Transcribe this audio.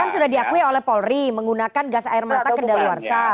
kan sudah diakui oleh polri menggunakan gas air mata kedaluarsa